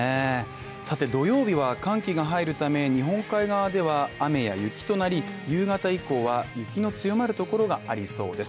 土曜日は寒気が入るため日本海側では雨や雪となり、夕方以降は雪の強まるところがありそうです。